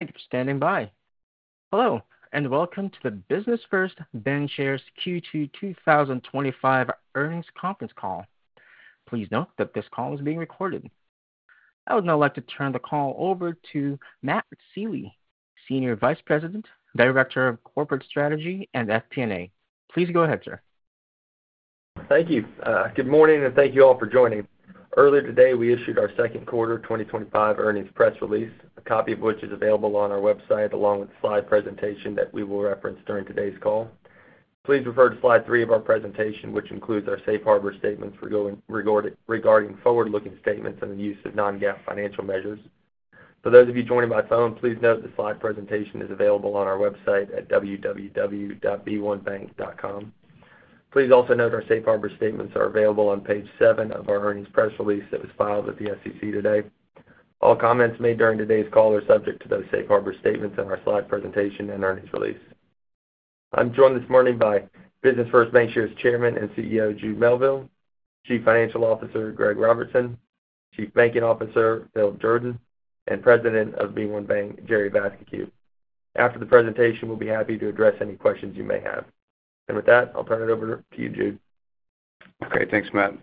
Thank you for standing by. Hello and welcome to the Business First Bancshares Q2 2025 earnings conference call. Please note that this call is being recorded. I would now like to turn the call over to Matt Sealy, Senior Vice President, Director of Corporate Strategy at FP&A. Please go ahead, sir. Thank you. Good morning and thank you all for joining. Earlier today, we issued our second quarter 2025 earnings press release, a copy of which is available on our website along with the slide presentation that we will reference during today's call. Please refer to slide three of our presentation, which includes our safe harbor statements regarding forward-looking statements and the use of non-GAAP financial measures. For those of you joining by phone, please note the slide presentation is available on our website at www.b1bank.com. Please also note our safe harbor statements are available on page seven of our earnings press release that was filed with the SEC today. All comments made during today's call are subject to those safe harbor statements in our slide presentation and earnings release. I'm joined this morning by Business First Bancshares Chairman and CEO Jude Melville, Chief Financial Officer Greg Robertson, Chief Banking Officer Philip Jordan, and President of b1BANK, Jerry Vascocu. After the presentation, we'll be happy to address any questions you may have. With that, I'll turn it over to you, Jude. Okay, thanks, Matt.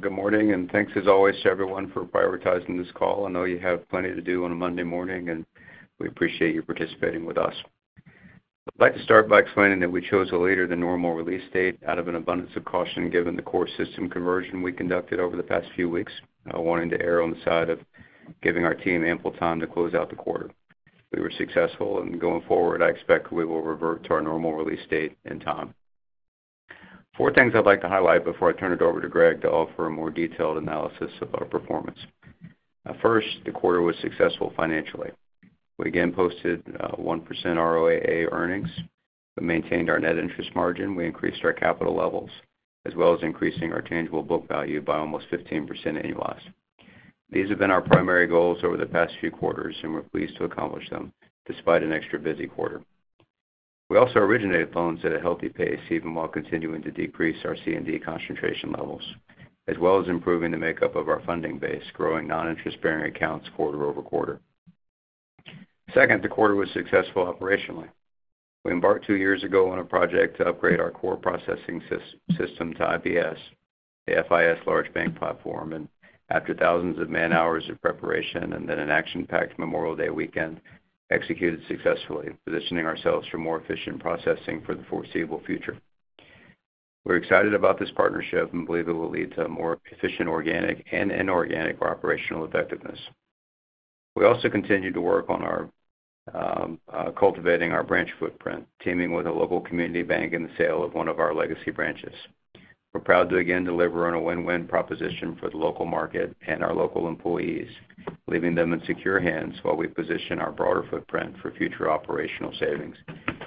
Good morning and thanks as always to everyone for prioritizing this call. I know you have plenty to do on a Monday morning and we appreciate you participating with us. I'd like to start by explaining that we chose a later than normal release date out of an abundance of caution given the core system conversion we conducted over the past few weeks, wanting to err on the side of giving our team ample time to close out the quarter. We were successful and going forward, I expect we will revert to our normal release date and time. Four things I'd like to highlight before I turn it over to Greg to offer a more detailed analysis of our performance. First, the quarter was successful financially. We again posted 1% ROAA earnings. We maintained our net interest margin. We increased our capital levels, as well as increasing our tangible book value by almost 15% annualized. These have been our primary goals over the past few quarters and we're pleased to accomplish them despite an extra busy quarter. We also originated loans at a healthy pace, even while continuing to decrease our C&D concentration levels, as well as improving the makeup of our funding base, growing non-interest-bearing accounts quarter over quarter. Second, the quarter was successful operationally. We embarked two years ago on a project to upgrade our core processing system to IBS, the FIS large bank platform, and after thousands of man-hours of preparation and then an action-packed Memorial Day weekend, executed successfully, positioning ourselves for more efficient processing for the foreseeable future. We're excited about this partnership and believe it will lead to more efficient organic and inorganic operational effectiveness. We also continue to work on cultivating our branch footprint, teaming with a local community bank in the sale of one of our legacy branches. We're proud to again deliver on a win-win proposition for the local market and our local employees, leaving them in secure hands while we position our broader footprint for future operational savings,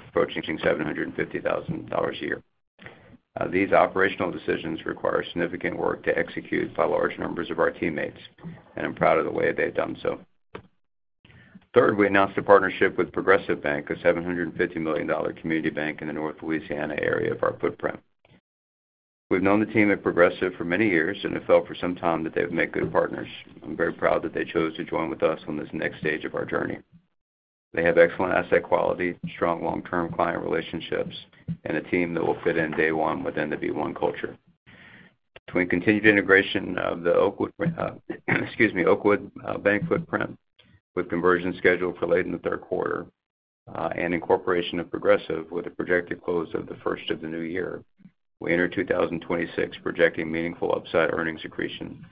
approaching $750,000 a year. These operational decisions require significant work to execute by large numbers of our teammates, and I'm proud of the way they've done so. Third, we announced a partnership with Progressive Bank, a $750 million community bank in the North Louisiana area of our footprint. We've known the team at Progressive for many years and have felt for some time that they've made good partners. I'm very proud that they chose to join with us on this next stage of our journey. They have excellent asset quality, strong long-term client relationships, and a team that will fit in day one within the b1 culture. Between continued integration of the Oakwood Bank footprint, with conversion scheduled for late in the third quarter, and incorporation of Progressive with a projected close of the first of the new year, we enter 2026 projecting meaningful upside earnings accretion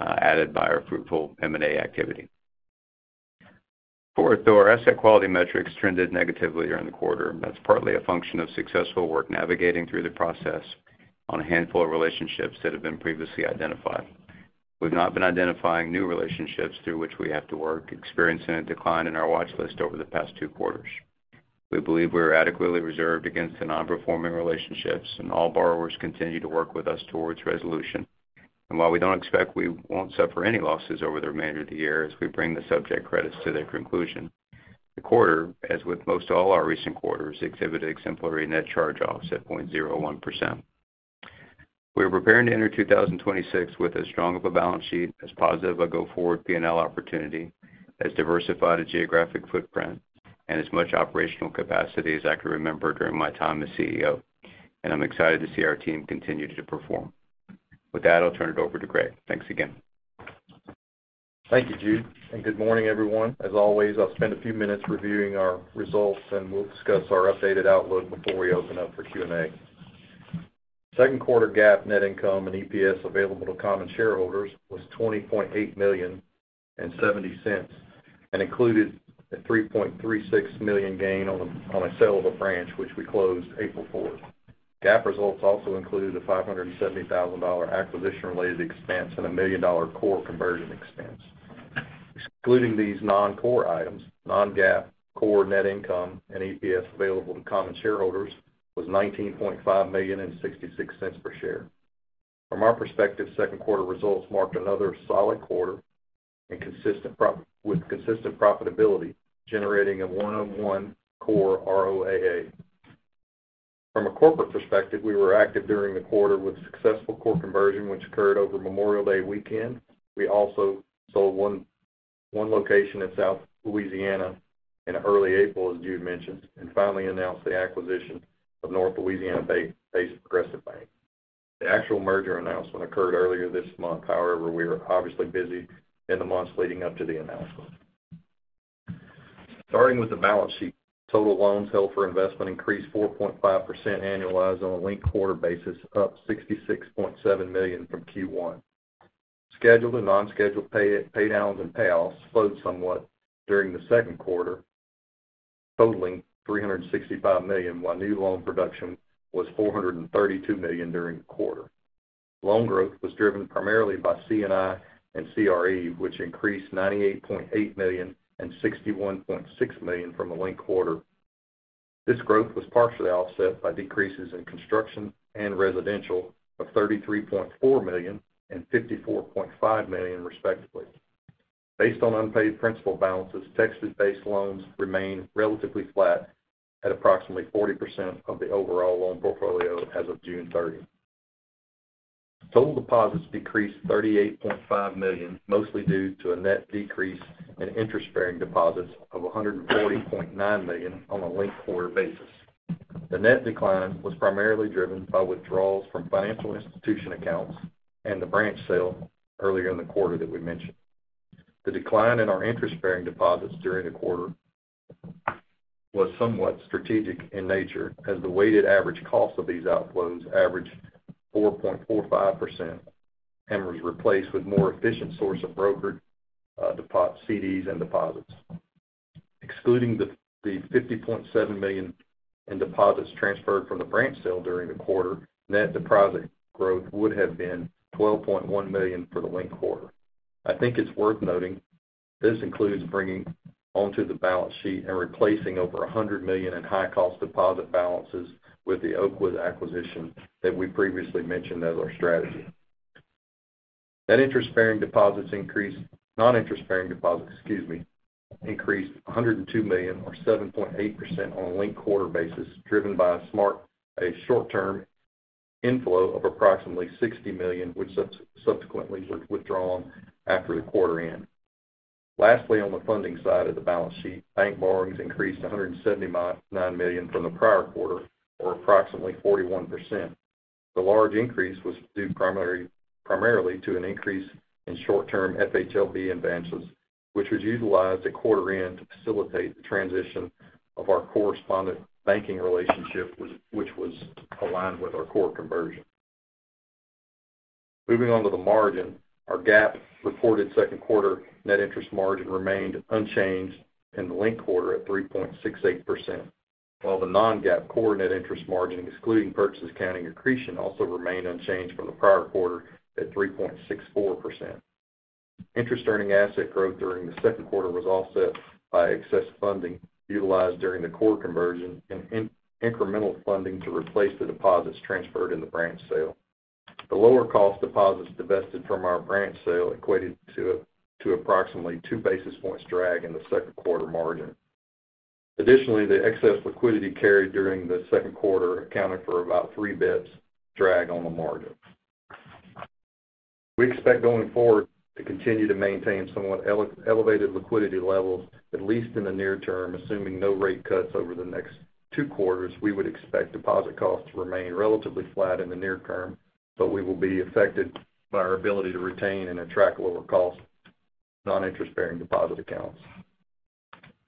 added by our fruitful M&A activity. Fourth, our asset quality metrics trended negatively during the quarter, and that's partly a function of successful work navigating through the process on a handful of relationships that have been previously identified. We've not been identifying new relationships through which we have to work, experiencing a decline in our watchlist over the past two quarters. We believe we are adequately reserved against the non-performing relationships, and all borrowers continue to work with us towards resolution. While we don't expect we won't suffer any losses over the remainder of the year, as we bring the subject credits to their conclusion, the quarter, as with most all our recent quarters, exhibited exemplary net charge-offs at 0.01%. We are preparing to enter 2026 with as strong of a balance sheet, as positive a go-forward P&L opportunity, as diversified a geographic footprint, and as much operational capacity as I could remember during my time as CEO. I'm excited to see our team continue to perform. With that, I'll turn it over to Greg. Thanks again. Thank you, Jude. Good morning, everyone. As always, I'll spend a few minutes reviewing our results, and we'll discuss our updated outlook before we open up for Q&A. Second quarter GAAP net income and EPS available to common shareholders was $20.8 million and $0.70 and included a $3.36 million gain on a sale of a branch, which we closed April 4. GAAP results also included a $570,000 acquisition-related expense and a $1 million core conversion expense. Excluding these non-core items, non-GAAP core net income and EPS available to common shareholders was $19.5 million and $0.66 per share. From our perspective, second quarter results marked another solid quarter with consistent profitability, generating a 1.01% core ROAA. From a corporate perspective, we were active during the quarter with successful core conversion, which occurred over Memorial Day weekend. We also sold one location in South Louisiana in early April, as Jude mentioned, and finally announced the acquisition of North Louisiana-based Progressive Bank. The actual merger announcement occurred earlier this month; however, we were obviously busy in the months leading up to the announcement. Starting with the balance sheet, total loans held for investment increased 4.5% annualized on a linked quarter basis, up $66.7 million from Q1. Scheduled and non-scheduled paydowns and payoffs slowed somewhat during the second quarter, totaling $365 million, while new loan production was $432 million during the quarter. Loan growth was driven primarily by C&I and CRE, which increased $98.8 million and $61.6 million from a linked quarter. This growth was partially offset by decreases in construction and residential of $33.4 million and $54.5 million, respectively. Based on unpaid principal balances, Texas-based loans remain relatively flat at approximately 40% of the overall loan portfolio as of June 30. Total deposits decreased $38.5 million, mostly due to a net decrease in interest-bearing deposits of $140.9 million on a linked quarter basis. The net decline was primarily driven by withdrawals from financial institution accounts and the branch sale earlier in the quarter that we mentioned. The decline in our interest-bearing deposits during the quarter was somewhat strategic in nature, as the weighted average cost of these outflows averaged 4.45% and was replaced with a more efficient source of brokered CDs and deposits. Excluding the $50.7 million in deposits transferred from the branch sale during the quarter, net deposit growth would have been $12.1 million for the linked quarter. I think it's worth noting this includes bringing onto the balance sheet and replacing over $100 million in high-cost deposit balances with the Oakwood acquisition that we previously mentioned as our strategy. Net interest-bearing deposits increased, non-interest-bearing deposits, excuse me, increased $102 million, or 7.8% on a linked quarter basis, driven by a short-term inflow of approximately $60 million, which subsequently was withdrawn after the quarter ended. Lastly, on the funding side of the balance sheet, bank borrowings increased to $179 million from the prior quarter, or approximately 41%. The large increase was due primarily to an increase in short-term FHLB advances, which was utilized at quarter end to facilitate the transition of our correspondent banking relationship, which was aligned with our core conversion. Moving on to the margin, our GAAP reported second quarter net interest margin remained unchanged in the linked quarter at 3.68%, while the non-GAAP core net interest margin, excluding purchase accounting accretion, also remained unchanged from the prior quarter at 3.64%. Interest earning asset growth during the second quarter was offset by excess funding utilized during the core conversion and incremental funding to replace the deposits transferred in the branch sale. The lower cost deposits divested from our branch sale equated to approximately two basis points drag in the second quarter margin. Additionally, the excess liquidity carried during the second quarter accounted for about three bps drag on the margin. We expect going forward to continue to maintain somewhat elevated liquidity levels, at least in the near term, assuming no rate cuts over the next two quarters. We would expect deposit costs to remain relatively flat in the near term, but we will be affected by our ability to retain and attract lower cost non-interest-bearing deposit accounts.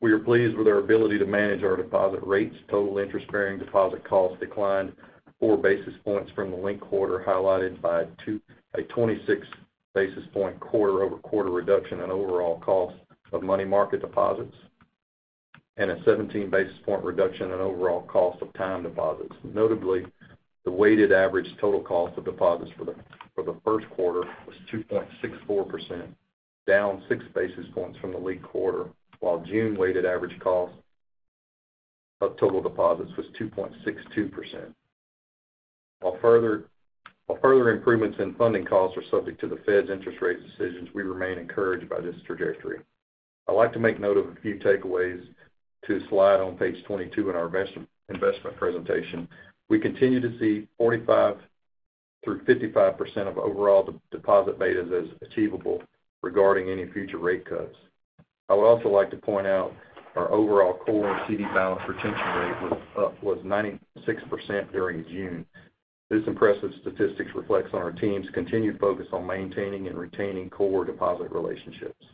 We are pleased with our ability to manage our deposit rates. Total interest-bearing deposit costs declined four basis points from the linked quarter, highlighted by a 26 basis point quarter over quarter reduction in overall cost of money market deposits and a 17 basis point reduction in overall cost of time deposits. Notably, the weighted average total cost of deposits for the first quarter was 2.64%, down six basis points from the linked quarter, while June weighted average cost of total deposits was 2.62%. While further improvements in funding costs are subject to the Fed's interest rate decisions, we remain encouraged by this trajectory. I'd like to make note of a few takeaways to slide on page 22 in our investment presentation. We continue to see 45% through 55% of overall deposit betas as achievable regarding any future rate cuts. I would also like to point out our overall core CD balance retention rate was 96% during June. This impressive statistic reflects on our team's continued focus on maintaining and retaining core deposit relationships.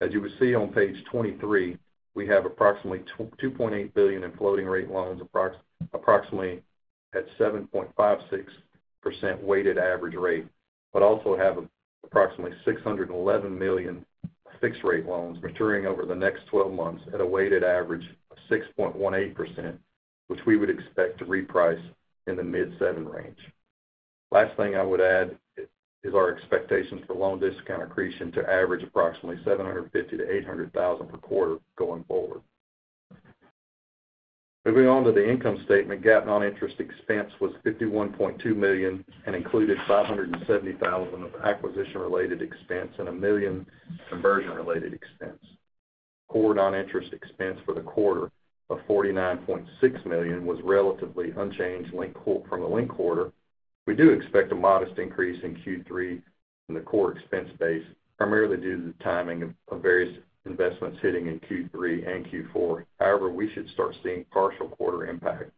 As you will see on page 23, we have approximately $2.8 billion in floating rate loans, approximately at 7.56% weighted average rate, but also have approximately $611 million fixed rate loans maturing over the next 12 months at a weighted average of 6.18%, which we would expect to reprice in the mid-seven range. Last thing I would add is our expectations for loan discount accretion to average approximately $750,000-$800,000 per quarter going forward. Moving on to the income statement, GAAP non-interest expense was $51.2 million and included $570,000 of acquisition-related expense and $1 million conversion-related expense. Core non-interest expense for the quarter of $49.6 million was relatively unchanged from the linked quarter. We do expect a modest increase in Q3 in the core expense base, primarily due to the timing of various investments hitting in Q3 and Q4. However, we should start seeing partial quarter impact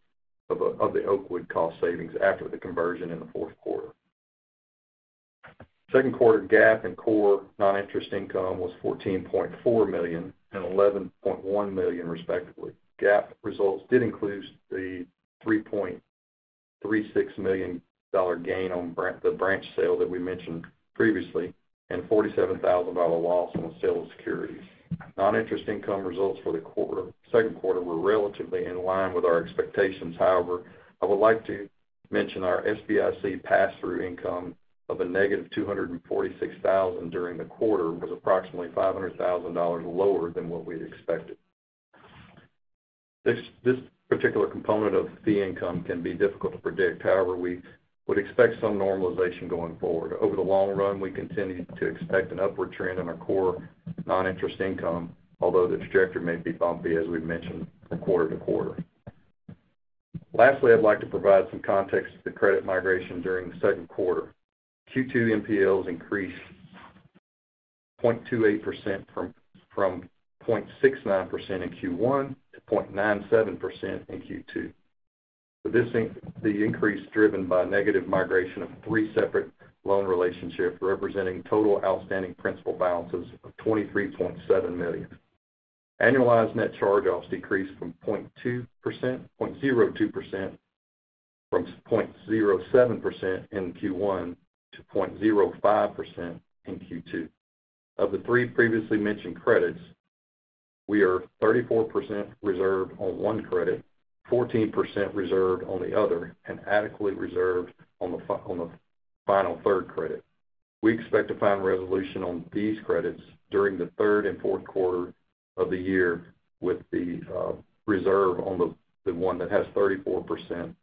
of the Oakwood cost savings after the conversion in the fourth quarter. Second quarter GAAP and core non-interest income was $14.4 million and $11.1 million, respectively. GAAP results did include the $3.36 million gain on the branch sale that we mentioned previously and $47,000 loss on the sale of securities. Non-interest income results for the second quarter were relatively in line with our expectations. However, I would like to mention our SBIC pass-through income of a negative $246,000 during the quarter was approximately $500,000 lower than what we expected. This particular component of fee income can be difficult to predict. However, we would expect some normalization going forward. Over the long run, we continue to expect an upward trend in our core non-interest income, although the trajectory may be bumpy, as we mentioned, quarter to quarter. Lastly, I'd like to provide some context to the credit migration during the second quarter. Q2 NPLs increased 0.28% from 0.69% in Q1 to 0.97% in Q2. The increase is driven by a negative migration of three separate loan relationships, representing total outstanding principal balances of $23.7 million. Annualized net charge-offs decreased 0.02% from 0.07% in Q1 to 0.05% in Q2. Of the three previously mentioned credits, we are 34% reserved on one credit, 14% reserved on the other, and adequately reserved on the final third credit. We expect to find resolution on these credits during the third and fourth quarter of the year, with the reserve on the one that has 34%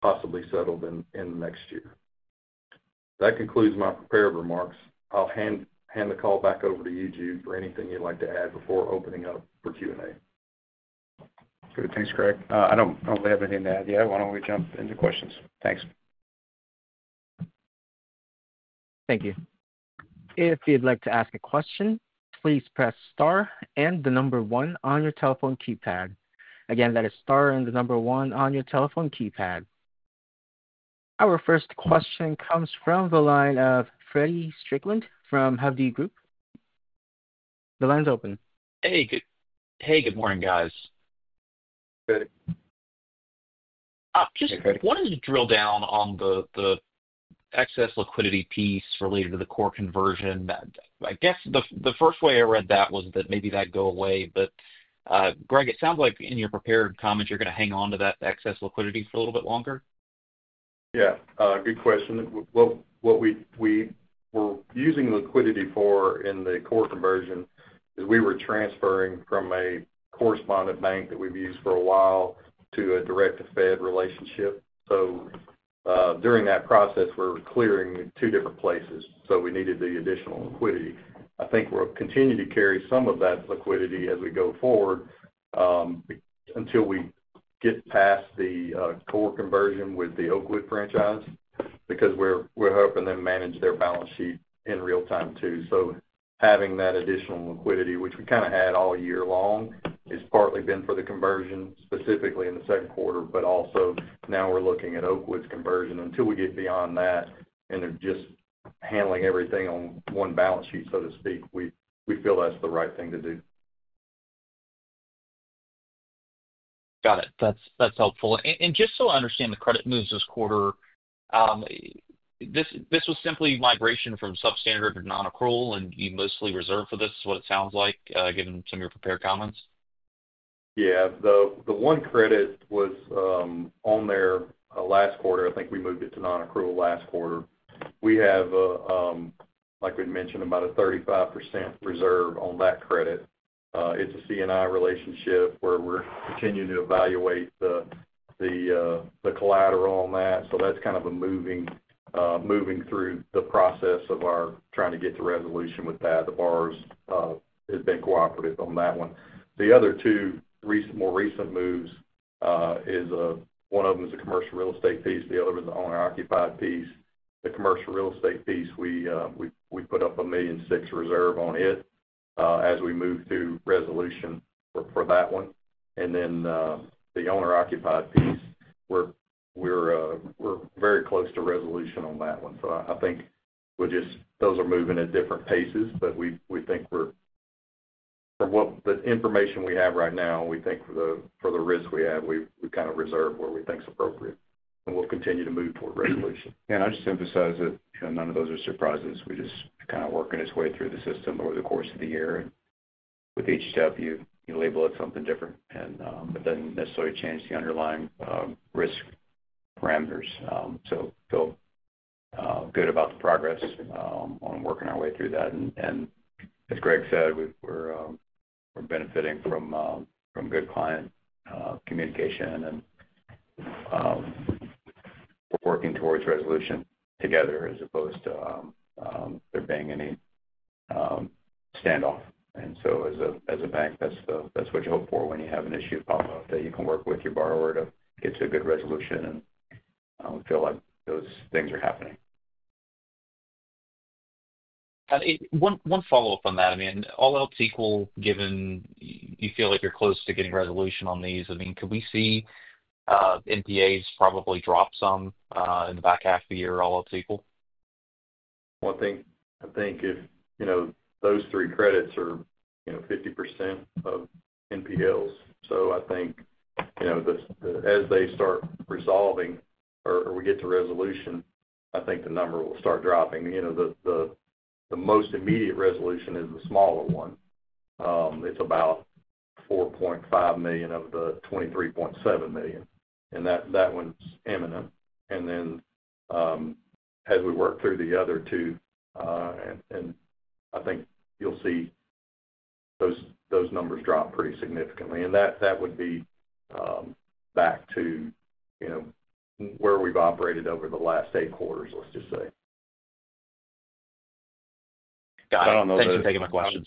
possibly settled in the next year. That concludes my prepared remarks. I'll hand the call back over to you, Jude, for anything you'd like to add before opening up for Q&A. Good. Thanks, Greg. I don't have anything to add yet. Why don't we jump into questions? Thanks. Thank you. If you'd like to ask a question, please press star and the number one on your telephone keypad. Again, that is star and the number one on your telephone keypad. Our first question comes from the line of Feddie Strickland from Hovde Group. The line's open. Hey, good morning, guys. Just wanted to drill down on the excess liquidity piece related to the core system conversion. I guess the first way I read that was that maybe that'd go away. Greg, it sounds like in your prepared comments, you're going to hang on to that excess liquidity for a little bit longer. Yeah, good question. What we were using liquidity for in the core conversion is we were transferring from a correspondent bank that we've used for a while to a direct-to-Fed relationship. During that process, we're clearing two different places, so we needed the additional liquidity. I think we'll continue to carry some of that liquidity as we go forward, until we get past the core conversion with the Oakwood franchise because we're hoping to manage their balance sheet in real time too. Having that additional liquidity, which we kind of had all year long, has partly been for the conversion specifically in the second quarter, but also now we're looking at Oakwood's conversion. Until we get beyond that and are just handling everything on one balance sheet, so to speak, we feel that's the right thing to do. Got it. That's helpful. Just so I understand the credit moves this quarter, this was simply migration from substandard to non-accrual, and you mostly reserved for this, is what it sounds like, given some of your prepared comments? Yeah, the one credit was on there last quarter. I think we moved it to non-accrual last quarter. We have, like we'd mentioned, about a 35% reserve on that credit. It's a C&I relationship where we're continuing to evaluate the collateral on that. That's kind of moving through the process of our trying to get to resolution with that. The borrowers have been cooperative on that one. The other two more recent moves, one of them is a commercial real estate piece, the other is an owner-occupied piece. The commercial real estate piece, we put up a $1.6 million reserve on it as we move to resolution for that one. The owner-occupied piece, we're very close to resolution on that one. I think those are moving at different paces, but from the information we have right now, we think for the risk we have, we've kind of reserved where we think it's appropriate. We'll continue to move toward resolution. I just emphasize that none of those are surprises. We are just kind of working its way through the system over the course of the year. With each step, you label it something different, and it doesn't necessarily change the underlying risk parameters. I feel good about the progress on working our way through that. As Greg said, we're benefiting from good client communication and working towards resolution together as opposed to there being any standoff. As a bank, that's what you hope for when you have an issue pop up, that you can work with your borrower to get to a good resolution. I feel like those things are happening. One follow-up on that. I mean, all else equal, given you feel like you're close to getting resolution on these, could we see NPAs probably drop some in the back half of the year, all else equal? I think if you know those three credits are 50% of NPLs. I think as they start resolving or we get to resolution, the number will start dropping. The most immediate resolution is the smaller one. It's about $4.5 million of the $23.7 million, and that one's imminent. As we work through the other two, I think you'll see those numbers drop pretty significantly. That would be back to where we've operated over the last eight quarters, let's just say. Got it. Thanks for taking my question.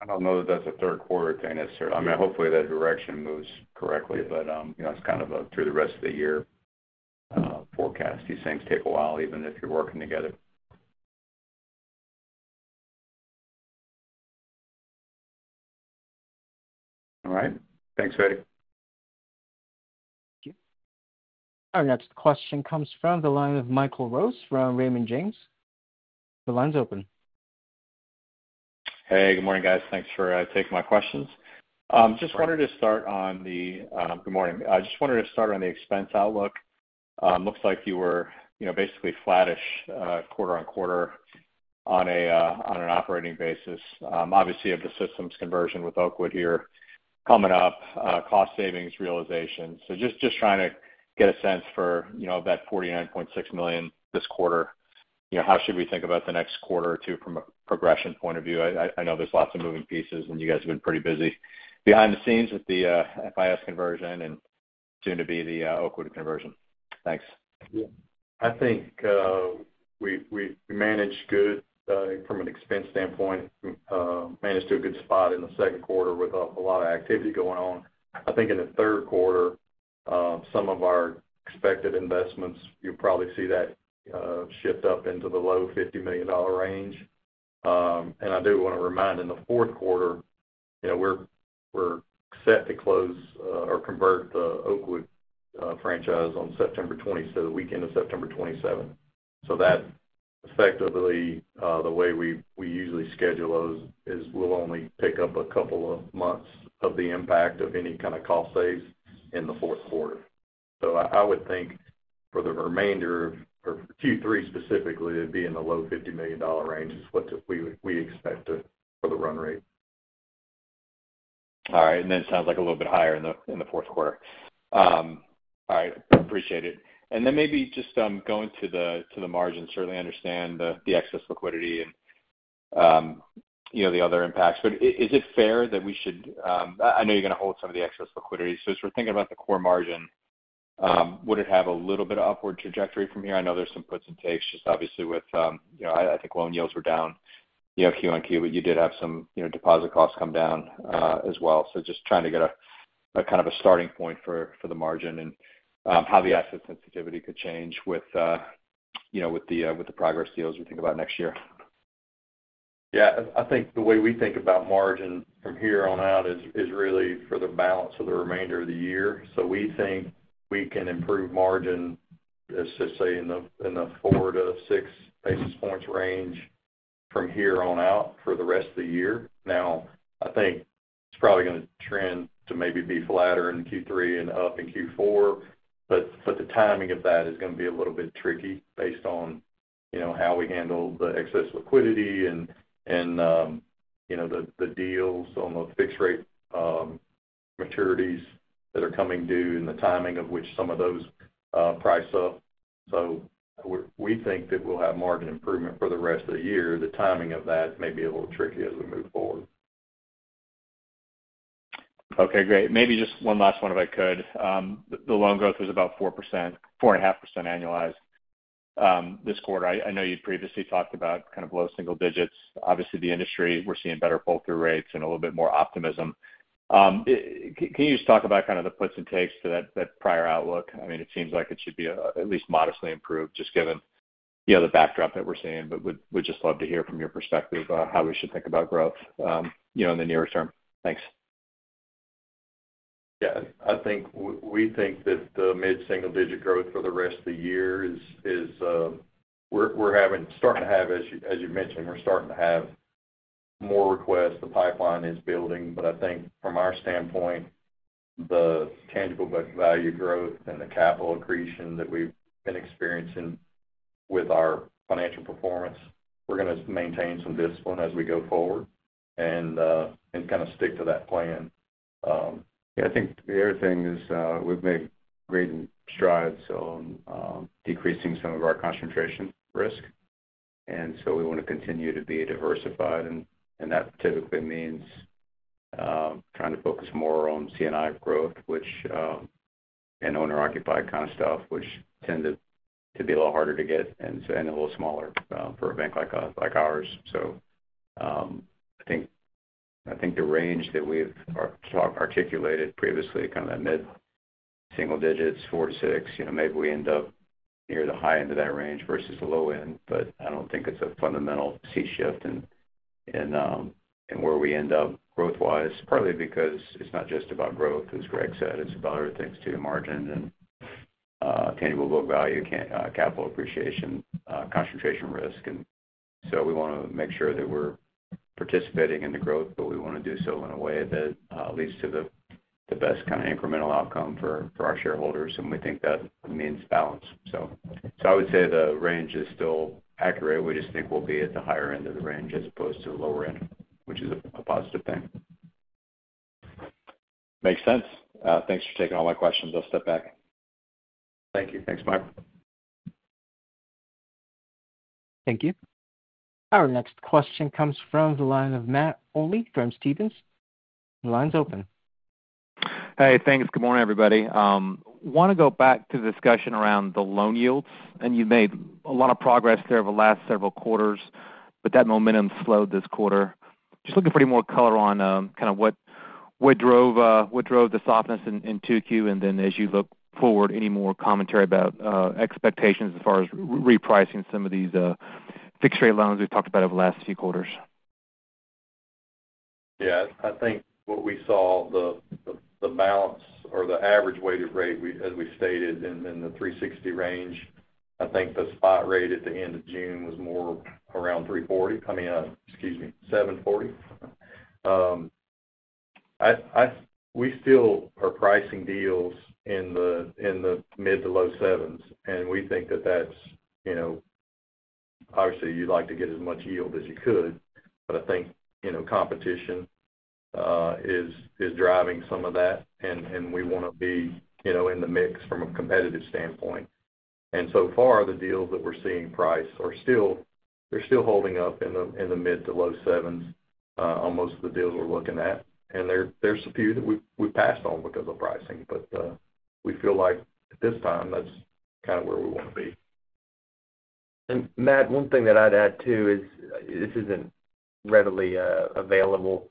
I don't know that that's a third quarter thing necessarily. I mean, hopefully, that direction moves correctly, but you know it's kind of up through the rest of the year forecast. These things take a while, even if you're working together. All right. Thanks, Feddie. Thank you. Our next question comes from the line of Michael Rose from Raymond James. The line's open. Hey, good morning, guys. Thanks for taking my questions. I just wanted to start on the expense outlook. Looks like you were basically flattish quarter on quarter on an operating basis. Obviously, you have the systems conversion with Oakwood here coming up, cost savings realization. Just trying to get a sense for that $49.6 million this quarter. How should we think about the next quarter or two from a progression point of view? I know there's lots of moving pieces, and you guys have been pretty busy behind the scenes with the FIS conversion and soon to be the Oakwood conversion. Thanks. Yeah. I think we managed good from an expense standpoint, managed to a good spot in the second quarter with a lot of activity going on. I think in the third quarter, some of our expected investments, you'll probably see that shift up into the low $50 million range. I do want to remind in the fourth quarter, you know we're set to close or convert the Oakwood franchise on September 27, the weekend of September 27. That effectively, the way we usually schedule those is we'll only pick up a couple of months of the impact of any kind of cost saves in the fourth quarter. I would think for the remainder of Q3 specifically, it'd be in the low $50 million range is what we expect for the run rate. All right. It sounds like a little bit higher in the fourth quarter. All right. Appreciate it. Maybe just going to the margin, certainly understand the excess liquidity and the other impacts. Is it fair that we should, I know you're going to hold some of the excess liquidity. As we're thinking about the core margin, would it have a little bit of upward trajectory from here? I know there's some puts and takes, just obviously with, I think loan yields were down. You have Q1 Q, but you did have some deposit costs come down as well. Just trying to get a kind of a starting point for the margin and how the asset sensitivity could change with the progress deals we think about next year. Yeah. I think the way we think about margin from here on out is really for the balance of the remainder of the year. We think we can improve margin, let's just say in the four to six basis points range from here on out for the rest of the year. I think it's probably going to trend to maybe be flatter in Q3 and up in Q4, but the timing of that is going to be a little bit tricky based on how we handle the excess liquidity and the deals on the fixed rate maturities that are coming due and the timing of which some of those price up. We think that we'll have margin improvement for the rest of the year. The timing of that may be a little tricky as we move forward. Okay, great. Maybe just one last one, if I could. The loan growth was about 4%, 4.5% annualized this quarter. I know you'd previously talked about kind of low single digits. Obviously, the industry, we're seeing better pull-through rates and a little bit more optimism. Can you just talk about kind of the puts and takes to that prior outlook? I mean, it seems like it should be at least modestly improved, just given you know the backdrop that we're seeing, but we'd just love to hear from your perspective about how we should think about growth you know in the nearest term. Thanks. Yeah. I think we think that the mid-single-digit growth for the rest of the year is, we're starting to have, as you mentioned, we're starting to have more requests. The pipeline is building, but I think from our standpoint, the tangible value growth and the capital accretion that we've been experiencing with our financial performance, we're going to maintain some discipline as we go forward and kind of stick to that plan. You know. I think the other thing is we've made great strides on decreasing some of our concentration risk. We want to continue to be diversified, and that typically means trying to focus more on C&I growth and owner-occupied kind of stuff, which tend to be a little harder to get and a little smaller for a bank like ours. I think the range that we've articulated previously, kind of that mid-single digits, 4%-6%, maybe we end up near the high end of that range versus the low end, but I don't think it's a fundamental shift in where we end up growth-wise, partly because it's not just about growth, as Greg said. It's about other things too: margin, tangible book value, capital appreciation, concentration risk. We want to make sure that we're participating in the growth, but we want to do so in a way that leads to the best kind of incremental outcome for our shareholders. We think that means balance. I would say the range is still accurate. We just think we'll be at the higher end of the range as opposed to the lower end, which is a positive thing. Makes sense. Thanks for taking all my questions. I'll step back. Thank you. Thanks, Michael. Thank you. Our next question comes from the line of Matt Olney from Stephens. The line's open. Hey, thanks. Good morning, everybody. Want to go back to the discussion around the loan yields, and you've made a lot of progress there over the last several quarters, but that momentum slowed this quarter. Just looking for any more color on what drove the softness in Q2. As you look forward, any more commentary about expectations as far as repricing some of these fixed-rate loans we've talked about over the last few quarters? Yeah, I think what we saw, the balance or the average weighted rate, as we stated, in the 3.60% range. I think the spot rate at the end of June was more around 3.40%. I mean, excuse me, 7.40%. We still are pricing deals in the mid to low sevens, and we think that that's, you know, obviously, you'd like to get as much yield as you could, but I think, you know, competition is driving some of that, and we want to be in the mix from a competitive standpoint. So far, the deals that we're seeing priced are still holding up in the mid to low sevens on most of the deals we're looking at. There's a few that we've passed on because of pricing, but we feel like at this time, that's kind of where we want to be. Matt, one thing that I'd add too is this isn't readily available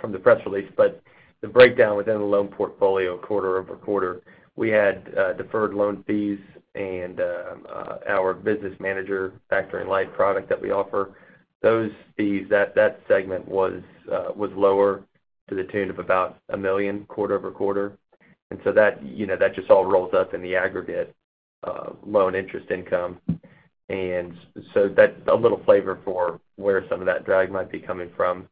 from the press release, but the breakdown within the loan portfolio quarter over quarter, we had deferred loan fees and our business manager factoring light product that we offer. Those fees, that segment was lower to the tune of about $1 million quarter over quarter. That just all rolls up in the aggregate loan interest income. That's a little flavor for where some of that drag might be coming from.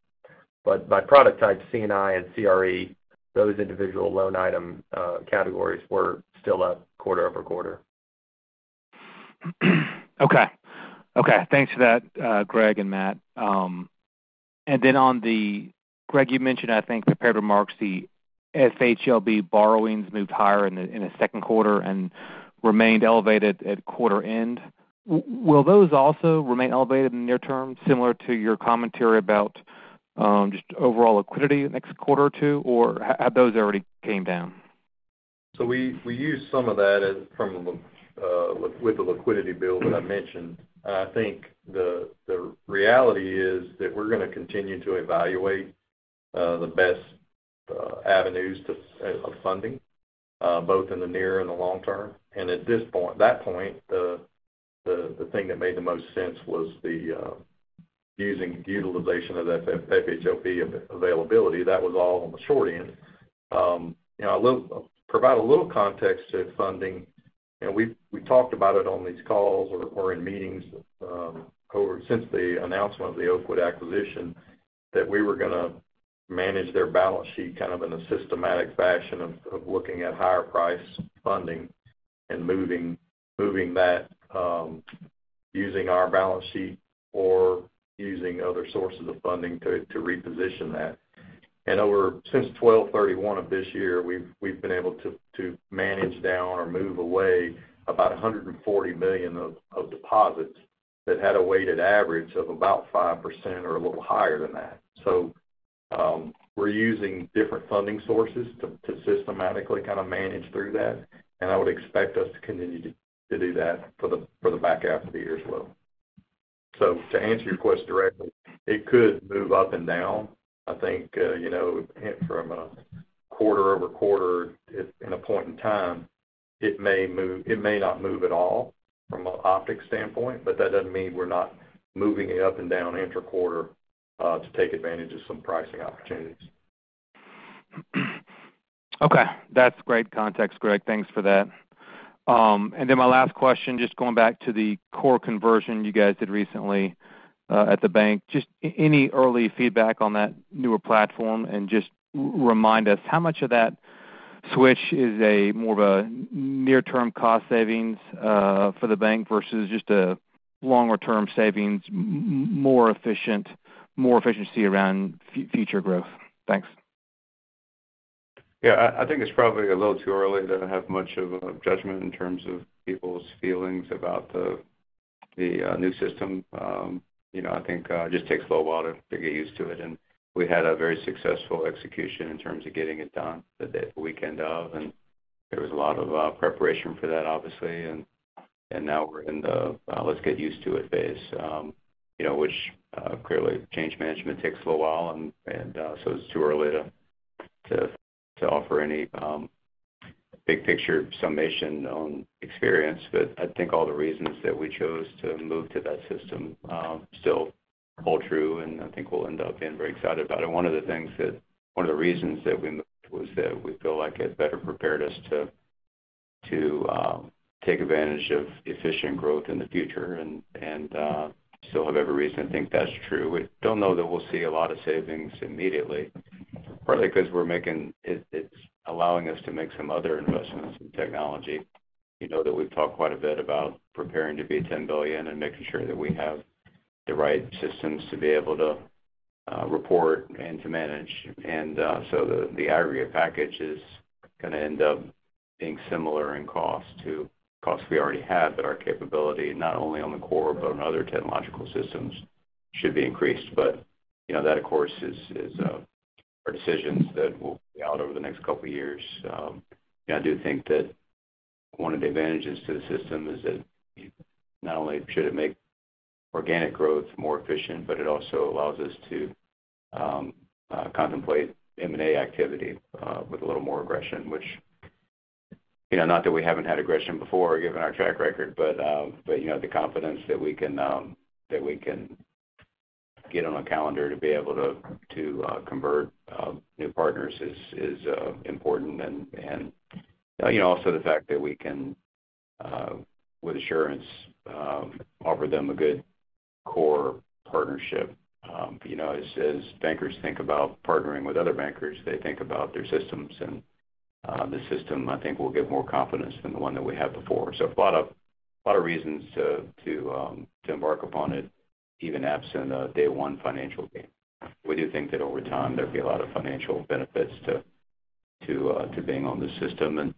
By product type, C&I and CRE, those individual loan item categories were still up quarter-over-quarter. Thanks for that, Greg and Matt. Greg, you mentioned, I think, in prepared remarks, the FHLB borrowings moved higher in the second quarter and remained elevated at quarter end. Will those also remain elevated in the near term, similar to your commentary about just overall liquidity in the next quarter or two, or have those already come down? We used some of that with the liquidity bill that I mentioned. I think the reality is that we're going to continue to evaluate the best avenues of funding, both in the near and the long term. At that point, the thing that made the most sense was the utilization of FHLB availability. That was all on the short end. I'll provide a little context to funding. We've talked about it on these calls or in meetings since the announcement of the Oakwood acquisition that we were going to manage their balance sheet in a systematic fashion of looking at higher price funding and moving that using our balance sheet or using other sources of funding to reposition that. Since 12/31 of this year, we've been able to manage down or move away about $140 million of deposits that had a weighted average of about 5% or a little higher than that. We're using different funding sources to systematically manage through that. I would expect us to continue to do that for the back half of the year as well. To answer your question directly, it could move up and down. I think from a quarter-over-quarter and a point in time, it may move, it may not move at all from an optic standpoint, but that doesn't mean we're not moving it up and down interquarter to take advantage of some pricing opportunities. Okay. That's great context, Greg. Thanks for that. My last question, just going back to the core conversion you guys did recently at the bank, just any early feedback on that newer platform and just remind us how much of that switch is more of a near-term cost savings for the bank versus just a longer-term savings, more efficient, more efficiency around future growth. Thanks. Yeah, I think it's probably a little too early to have much of a judgment in terms of people's feelings about the new system. I think it just takes a little while to get used to it. We had a very successful execution in terms of getting it done the weekend of, and there was a lot of preparation for that, obviously. Now we're in the let's get used to it phase, which clearly, change management takes a little while. It's too early to offer any big picture summation on experience. I think all the reasons that we chose to move to that system still hold true, and I think we'll end up being very excited about it. One of the reasons that we moved was that we feel like it better prepared us to take advantage of efficient growth in the future, and still have every reason to think that's true. We don't know that we'll see a lot of savings immediately, partly because it's allowing us to make some other investments in technology. We've talked quite a bit about preparing to be $10 billion and making sure that we have the right systems to be able to report and to manage. The aggregate package is going to end up being similar in cost to costs we already had, but our capability not only on the core, but on other technological systems should be increased. That, of course, is our decisions that will be out over the next couple of years. I do think that one of the advantages to the system is that not only should it make organic growth more efficient, but it also allows us to contemplate M&A activity with a little more aggression, which, not that we haven't had aggression before given our track record, but the confidence that we can get on a calendar to be able to convert new partners is important. Also, the fact that we can with assurance offer them a good core partnership. As bankers think about partnering with other bankers, they think about their systems. This system, I think, will give more confidence than the one that we had before. There are a lot of reasons to embark upon it even absent a day-one financial gain. We do think that over time there'll be a lot of financial benefits to being on the system.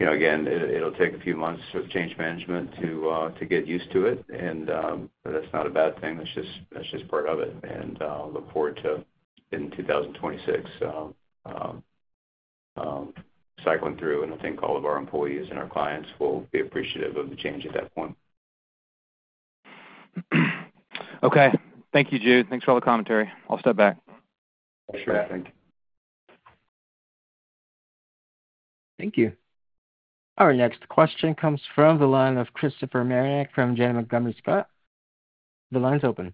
Again, it'll take a few months of change management to get used to it. That's not a bad thing. That's just part of it. I look forward to in 2026 cycling through. I think all of our employees and our clients will be appreciative of the change at that point. Okay. Thank you, Jude. Thanks for all the commentary. I'll step back. Sure thing. Thank you. Our next question comes from the line of Christopher Marinac from Janney Montgomery Scott. The line's open.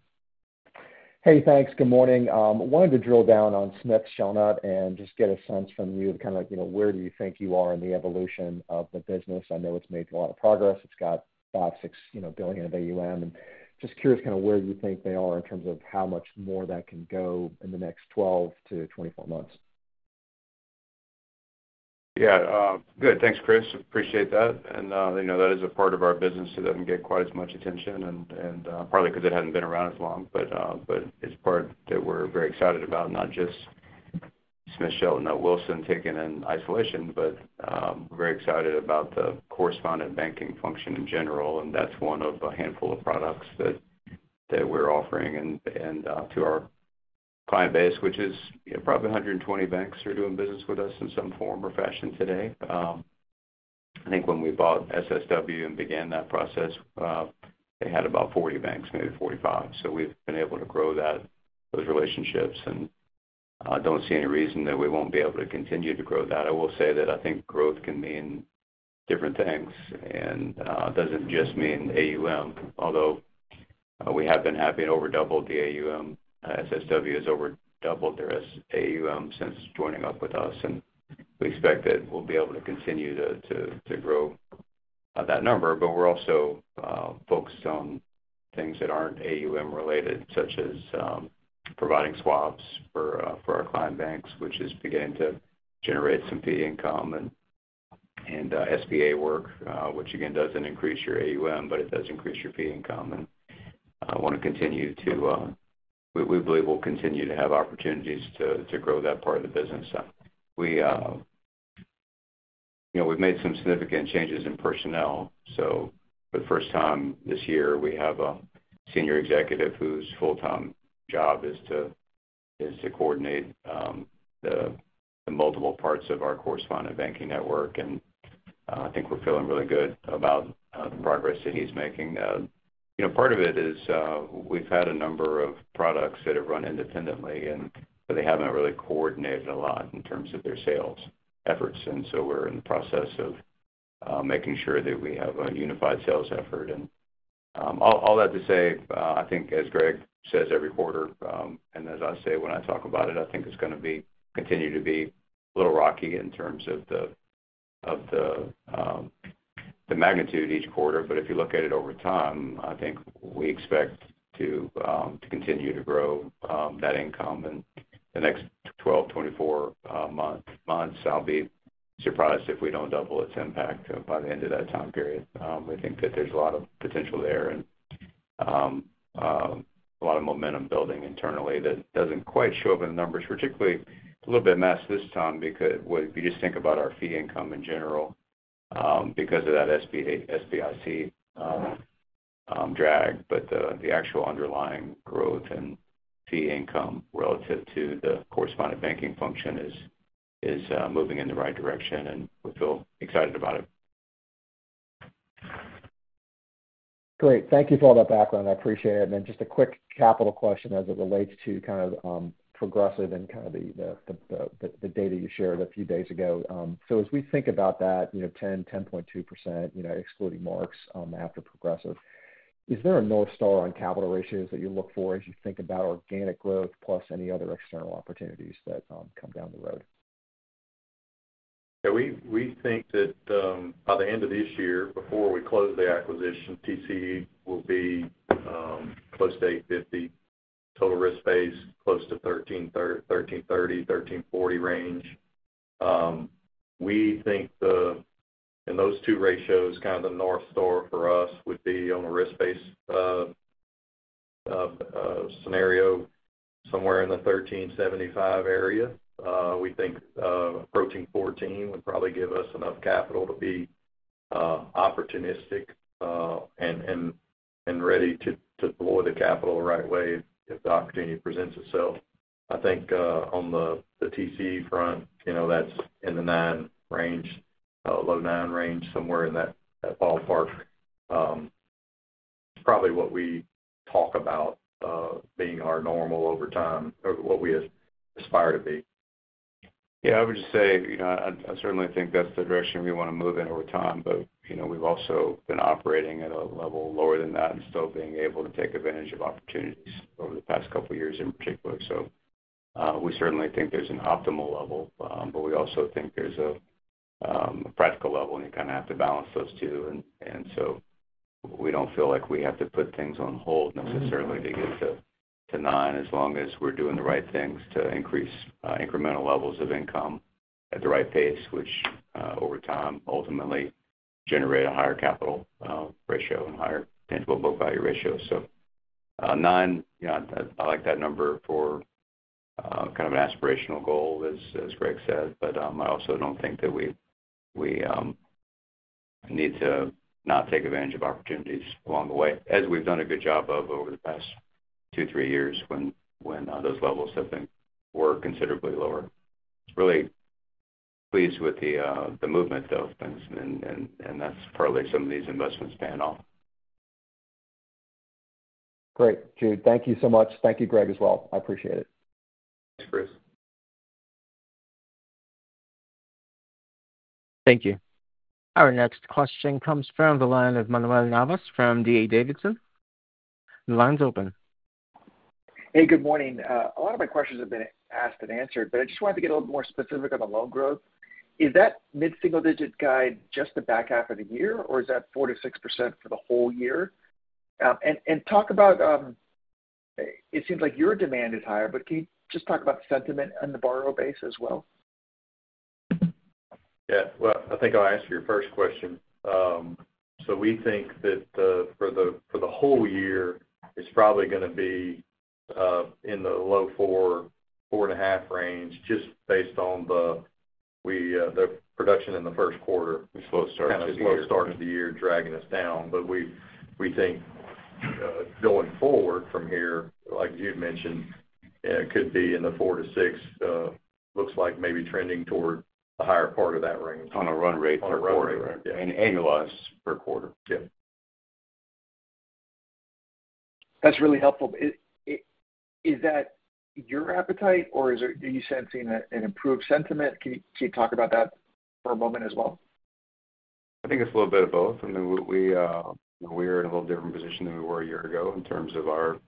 Hey, thanks. Good morning. I wanted to drill down on Smith Shellnut and just get a sense from you, where do you think you are in the evolution of the business? I know it's made a lot of progress. It's got $5 billion, $6 billion of AUM. Just curious, where do you think they are in terms of how much more that can go in the next 12 to 24 months? Yeah. Good. Thanks, Chris. Appreciate that. You know that is a part of our business that doesn't get quite as much attention and partly because it hadn't been around as long. It's a part that we're very excited about, not just Smith Shellnut Wilson taken in isolation, but we're very excited about the correspondent banking function in general. That's one of a handful of products that we're offering to our client base, which is probably 120 banks who are doing business with us in some form or fashion today. I think when we bought Smith Shellnut Wilson and began that process, they had about 40 banks, maybe 45. We've been able to grow those relationships and don't see any reason that we won't be able to continue to grow that. I will say that I think growth can mean different things and doesn't just mean AUM. Although we have been happy to over double the AUM. Smith Shellnut Wilson has over doubled their AUM since joining up with us. We expect that we'll be able to continue to grow that number. We're also focused on things that aren't AUM related, such as providing swaps for our client banks, which is beginning to generate some fee income and SBA work, which again doesn't increase your AUM, but it does increase your fee income. I want to continue to, we believe we'll continue to have opportunities to grow that part of the business. We've made some significant changes in personnel. For the first time this year, we have a Senior Executive whose full-time job is to coordinate the multiple parts of our correspondent banking network. I think we're feeling really good about the progress that he's making. Part of it is we've had a number of products that have run independently, but they haven't really coordinated a lot in terms of their sales efforts. We're in the process of making sure that we have a unified sales effort. All that to say, I think, as Greg says every quarter, and as I say when I talk about it, I think it's going to continue to be a little rocky in terms of the magnitude each quarter. If you look at it over time, I think we expect to continue to grow that income in the next 12, 24 months. I'll be surprised if we don't double its impact by the end of that time period. We think that there's a lot of potential there and a lot of momentum building internally that doesn't quite show up in the numbers, particularly a little bit messed this time because if you just think about our fee income in general because of that SBIC drag. The actual underlying growth in fee income relative to the correspondent banking function is moving in the right direction, and we feel excited about it. Great. Thank you for all that background. I appreciate it. Just a quick capital question as it relates to Progressive and the data you shared a few days ago. As we think about that, you know, 10%, 10.2%, excluding marks after Progressive, is there a North Star on capital ratios that you look for as you think about organic growth plus any other external opportunities that come down the road? Yeah, we think that by the end of this year, before we close the acquisition, TCE will be close to 8.50%, total risk-based close to 13.30%, 13.40% range. We think in those two ratios, kind of the North Star for us would be on a risk-based scenario somewhere in the 13.75% area. We think approaching 14% would probably give us enough capital to be opportunistic and ready to deploy the capital the right way if the opportunity presents itself. I think on the TCE front, you know that's in the 9% range, low 9% range, somewhere in that ballpark. Probably what we talk about being our normal over time, over what we aspire to be. Yeah, I would just say, you know I certainly think that's the direction we want to move in over time, but we've also been operating at a level lower than that and still being able to take advantage of opportunities over the past couple of years in particular. We certainly think there's an optimal level, but we also think there's a practical level, and you kind of have to balance those two. We don't feel like we have to put things on hold necessarily to get to nine as long as we're doing the right things to increase incremental levels of income at the right pace, which over time ultimately generate a higher capital ratio and higher tangible book value ratio. Nine, you know I like that number for kind of an aspirational goal, as Greg said, but I also don't think that we need to not take advantage of opportunities along the way, as we've done a good job of over the past two, three years when those levels have been considerably lower. Really pleased with the movement of things, and that's partly some of these investments paying off. Great, Jude. Thank you so much. Thank you, Greg, as well. I appreciate it. Thanks, Chris. Thank you. Our next question comes from the line of Manuel Navas from D.A. Davidson. The line's open. Hey, good morning. A lot of my questions have been asked and answered, but I just wanted to get a little more specific on the loan growth. Is that mid-single-digit guide just the back half of the year, or is that 4%-6% for the whole year? It seems like your demand is higher, but can you just talk about the sentiment and the borrower base as well? I think I'll answer your first question. We think that for the whole year, it's probably going to be in the low 4%, 4.5% range just based on the production in the first quarter. We started the year dragging us down, but we think going forward from here, like you mentioned, it could be in the 4%-6%. It looks like maybe trending toward the higher part of that range. On a run rate per quarter. Annualized per quarter, yeah. That's really helpful. Is that your appetite, or are you sensing an improved sentiment? Can you talk about that for a moment as well? I think it's a little bit of both. I mean, we are in a little different position than we were a year ago in terms of our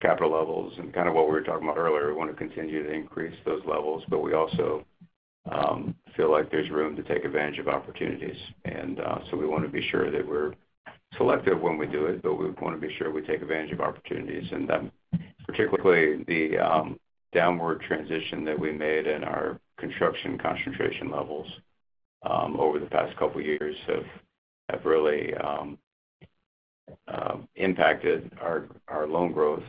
capital levels and kind of what we were talking about earlier. We want to continue to increase those levels, but we also feel like there's room to take advantage of opportunities. We want to be sure that we're selective when we do it, but we want to be sure we take advantage of opportunities. Particularly, the downward transition that we made in our construction concentration levels over the past couple of years has really impacted our loan growth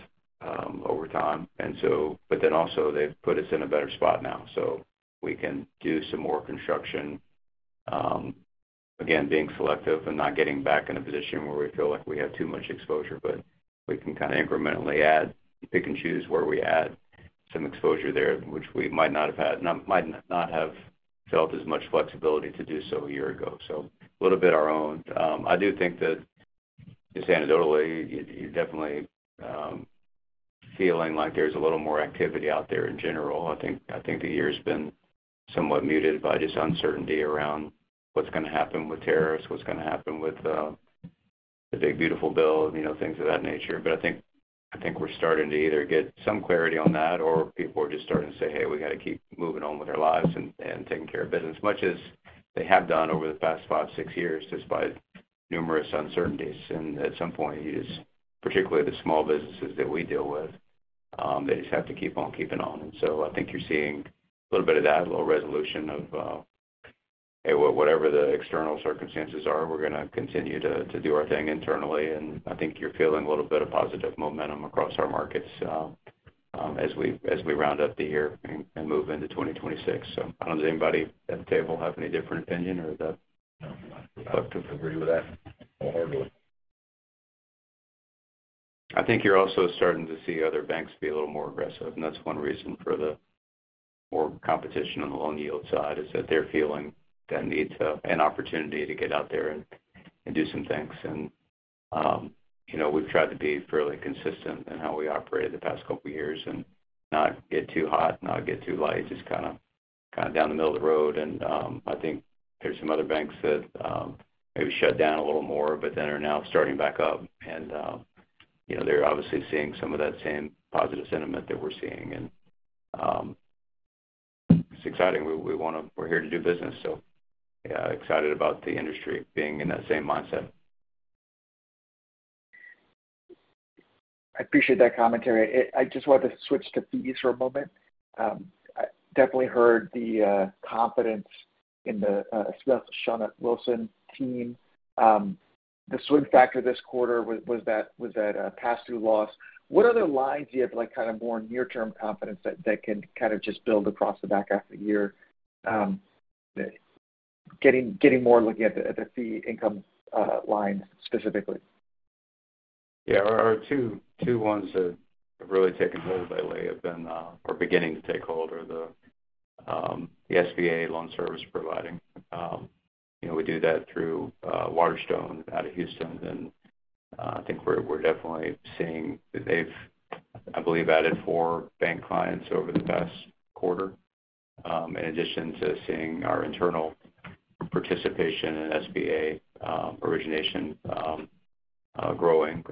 over time. They've also put us in a better spot now. We can do some more construction, again, being selective and not getting back in a position where we feel like we have too much exposure, but we can kind of incrementally add, pick and choose where we add some exposure there, which we might not have had, might not have felt as much flexibility to do so a year ago. A little bit our own. I do think that just anecdotally, you're definitely feeling like there's a little more activity out there in general. I think the year has been somewhat muted by just uncertainty around what's going to happen with tariffs, what's going to happen with the Big Beautiful Bill, things of that nature. I think we're starting to either get some clarity on that or people are just starting to say, "Hey, we got to keep moving on with our lives and taking care of business," much as they have done over the past five, six years just by numerous uncertainties. At some point, particularly the small businesses that we deal with, they just have to keep on keeping on. I think you're seeing a little bit of that, a little resolution of, "Hey, whatever the external circumstances are, we're going to continue to do our thing internally." I think you're feeling a little bit of positive momentum across our markets as we round up the year and move into 2026. I don't think anybody at the table has any different opinion or is that. I agree with that. I think you're also starting to see other banks be a little more aggressive. That's one reason for the more competition on the loan yield side, is that they're feeling that need and an opportunity to get out there and do some things. We've tried to be fairly consistent in how we operated the past couple of years and not get too hot, not get too light, just kind of down the middle of the road. I think there's some other banks that maybe shut down a little more, but then are now starting back up. They're obviously seeing some of that same positive sentiment that we're seeing. It's exciting. We want to, we're here to do business. Yeah, excited about the industry being in that same mindset. I appreciate that commentary. I just wanted to switch to fees for a moment. I definitely heard the confidence in the Smith Shellnut Wilson team. The swing factor this quarter was that pass-through loss. What other lines do you have like kind of more near-term confidence that can kind of just build across the back half of the year? Getting more looking at the fee income line specifically. Yeah, our two ones that have really taken hold lately have been or beginning to take hold are the SBA loan service providing. You know we do that through Waterstone out of Houston. I think we're definitely seeing they've, I believe, added four bank clients over the past quarter. In addition to seeing our internal participation in SBA origination growing.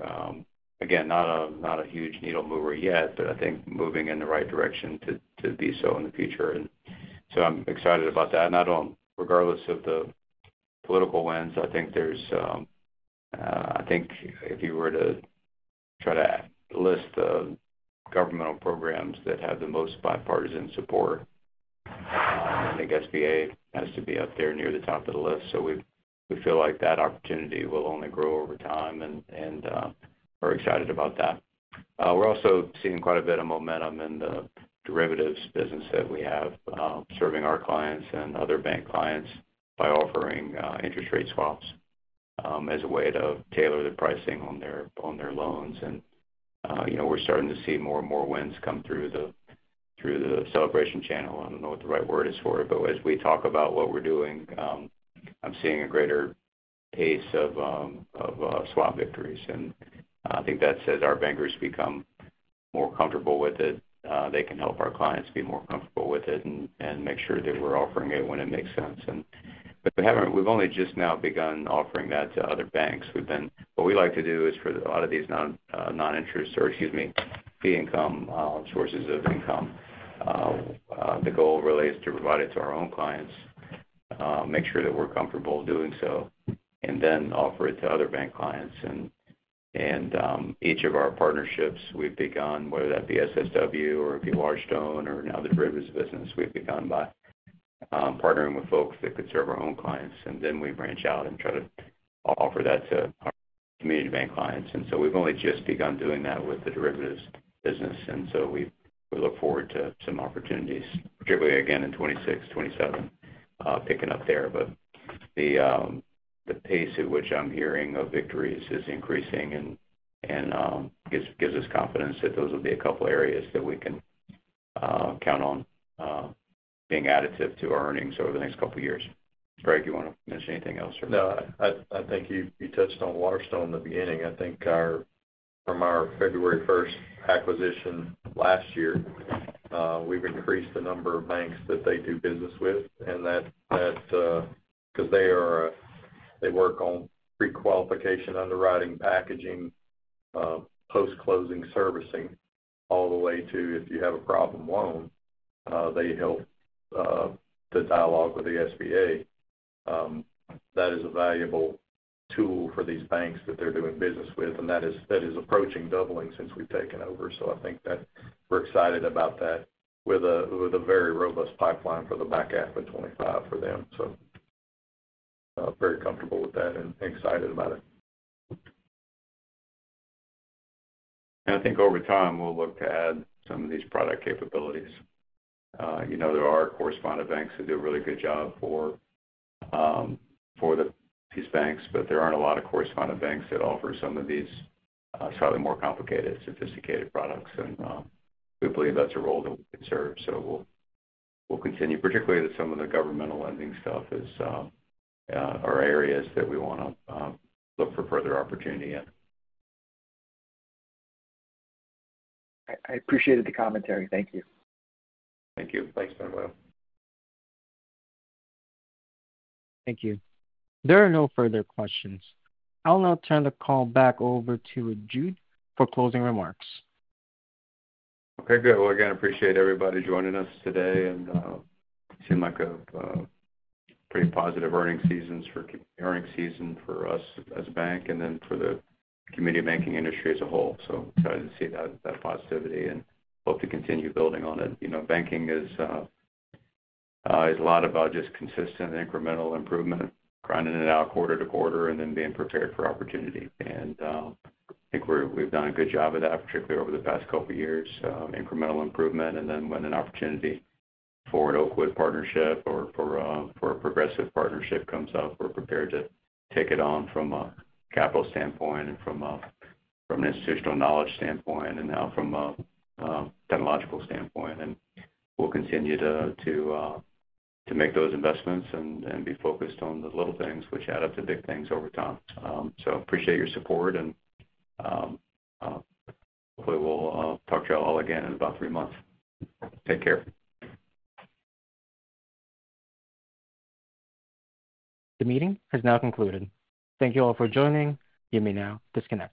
Again, not a huge needle mover yet, but I think moving in the right direction to be so in the future. I'm excited about that. I don't, regardless of the political lens, I think there's, I think if you were to try to list the governmental programs that have the most bipartisan support, I think SBA has to be up there near the top of the list. We feel like that opportunity will only grow over time and are excited about that. We're also seeing quite a bit of momentum in the derivatives business that we have serving our clients and other bank clients by offering interest rate swaps as a way to tailor the pricing on their loans. We're starting to see more and more wins come through the celebration channel. I don't know what the right word is for it, but as we talk about what we're doing, I'm seeing a greater pace of swap victories. I think that as our bankers become more comfortable with it, they can help our clients be more comfortable with it and make sure that we're offering it when it makes sense. We haven't, we've only just now begun offering that to other banks. What we like to do is for a lot of these fee income sources of income, the goal really is to provide it to our own clients, make sure that we're comfortable doing so, and then offer it to other bank clients. Each of our partnerships we've begun, whether that be Smith Shellnut Wilson or it be Waterstone or now the derivatives business, we've begun by partnering with folks that could serve our own clients. Then we branch out and try to offer that to community bank clients. We've only just begun doing that with the derivatives business. We look forward to some opportunities, particularly again in 2026, 2027, picking up there. The pace at which I'm hearing of victories is increasing and gives us confidence that those will be a couple of areas that we can count on being additive to our earnings over the next couple of years. Greg, you want to mention anything else? No, I think you touched on Waterstone in the beginning. I think from our February 1st acquisition last year, we've increased the number of banks that they do business with. That is because they work on pre-qualification, underwriting, packaging, post-closing servicing, all the way to if you have a problem loan, they help the dialogue with the SBA. That is a valuable tool for these banks that they're doing business with, and that is approaching doubling since we've taken over. I think that we're excited about that with a very robust pipeline for the back half of 2025 for them. I'm very comfortable with that and excited about it. I think over time, we'll look to add some of these product capabilities. There are correspondent banks that do a really good job for these banks, but there aren't a lot of correspondent banks that offer some of these slightly more complicated, sophisticated products. We believe that's a role that we serve. We'll continue, particularly as some of the governmental lending stuff is, are areas that we want to look for further opportunity in. I appreciated the commentary. Thank you. Thank you. Thanks, Manuel. Thank you. There are no further questions. I'll now turn the call back over to Jude for closing remarks. Okay, good. I appreciate everybody joining us today. It seemed like a pretty positive earning season for us as a bank and for the immediate banking industry as a whole. Excited to see that positivity and hope to continue building on it. You know, banking is a lot about just consistent incremental improvement, grinding it out quarter to quarter, and being prepared for opportunity. I think we've done a good job of that, particularly over the past couple of years, incremental improvement. When an opportunity for an Oakwood partnership or for a Progressive partnership comes up, we're prepared to take it on from a capital standpoint and from an institutional knowledge standpoint and now from a technological standpoint. We'll continue to make those investments and be focused on the little things, which add up to big things over time. I appreciate your support. Hopefully, we'll talk to you all again in about three months. Take care. The meeting has now concluded. Thank you all for joining. You may now disconnect.